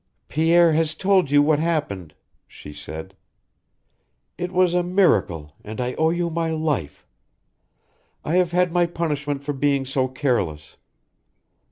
"Pierre has told you what happened," she said. "It was a miracle, and I owe you my life. I have had my punishment for being so careless."